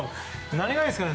何がいいですかね？